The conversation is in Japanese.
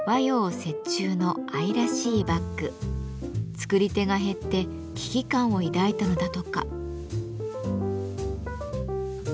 作り手が減って危機感を抱いたのだとか。